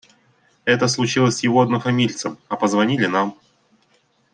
Это случилось с его однофамильцем, а позвонили нам.